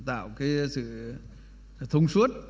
tạo cái sự thông suốt